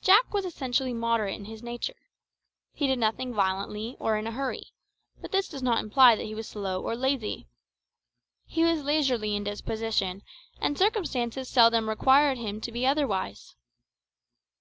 Jack was essentially moderate in his nature. He did nothing violently or in a hurry; but this does not imply that he was slow or lazy. He was leisurely in disposition, and circumstances seldom required him to be otherwise.